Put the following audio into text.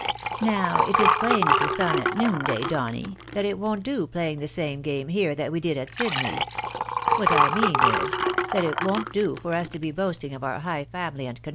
Now, it is as plain as the sun at noon day, Donny, that it won't do playing the same game here that we did at Sydney. What I mean is, that it won't do for us to be boasting of our high £aimly and con D 2 52 THE BAKNABYS IN AMERICA.